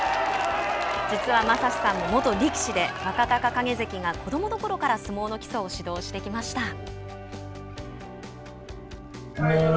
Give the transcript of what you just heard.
実は政志さんも元力士で若隆景関が子どものころから相撲の基礎を指導してきました。